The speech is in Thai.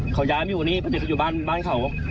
เขาย้ายไม่อยู่นี่ประติศาสตร์อยู่บ้านเขา